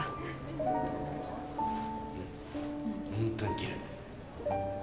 本当にきれい。